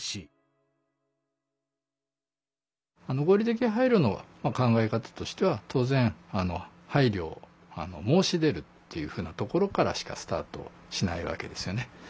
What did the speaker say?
合理的配慮の考え方としては当然配慮を申し出るっていうふうなところからしかスタートしないわけですよね。